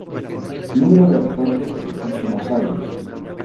Número de habitantes en los últimos años.